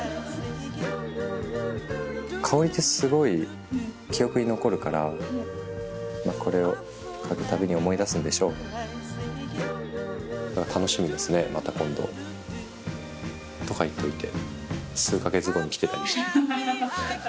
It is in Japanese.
香りってすごい記憶に残るからこれを嗅ぐたびに思い出すんでしょう。とか言っといて。